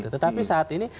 tetapi saat ini